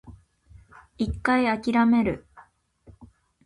一回諦める